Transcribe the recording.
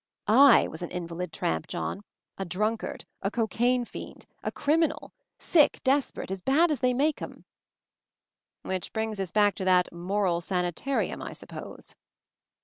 I was an invalid tramp, John ; a drunkard, a cocaine fiend, a criminal, sick, desperate, as bad as they make them." "Which brings us back to that 'moral sani tarium' I suppose?"